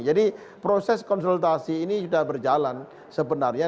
jadi proses konsultasi ini sudah berjalan sebenarnya